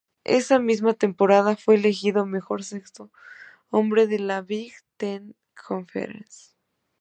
Esa misma temporada fue elegido mejor sexto hombre de la Big Ten Conference.